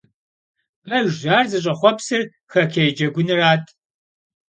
Pejjş, ar zış'exhuepsar xokkêy cegunrat.